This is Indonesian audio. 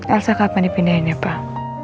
elsa kapan dipindahinnya pak